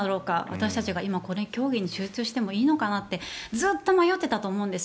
私たちが競技に集中してもいいのかなってずっと迷っていたと思うんです。